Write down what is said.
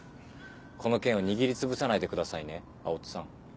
この件を握りつぶさないでくださいね青砥さん。